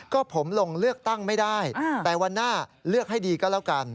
ก็ผมลงเลือกตั้งไม่ได้แต่วันหน้าเลือกให้ดีก็แล้วกัน